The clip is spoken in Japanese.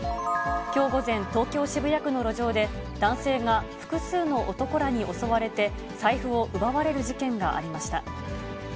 きょう午前、東京・渋谷区の路上で、男性が複数の男らに襲われて、財布を奪われる事件がありました。